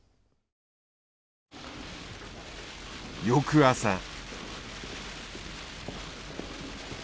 翌朝。